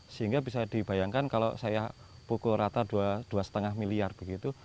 sehingga bisa dibayangkan kalau saya pukul rata dua lima miliar begitu